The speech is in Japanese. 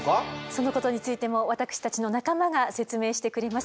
そのことについても私たちの仲間が説明してくれます。